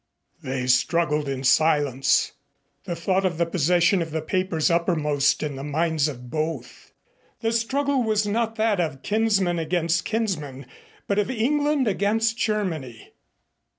They struggled in silence, the thought of the possession of the papers uppermost in the minds of both. The struggle was not that of kinsman against kinsman, but of England against Germany.